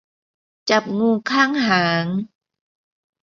จับงูข้างหาง